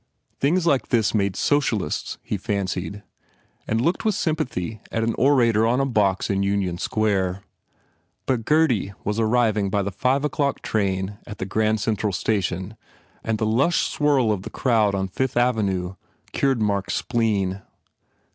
Things like this made Socialists, he fancied, and looked with sympathy at an orator on a box in Union Square. But Gurdy was arriving by the five o clock train at the Grand Central Station and the lush swirl of the crowd on Fifth Avenue cured Mark s spleen.